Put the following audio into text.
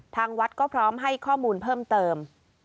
ทางวัดก็พร้อมให้ข้อมูลเพิ่มเติม